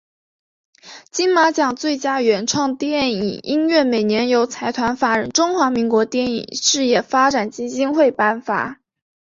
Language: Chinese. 金马奖最佳原创电影音乐每年由财团法人中华民国电影事业发展基金会颁发。